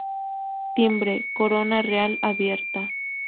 Timbre: Corona real abierta.